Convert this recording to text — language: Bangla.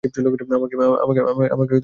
আমাকে একটা মাথা দাও!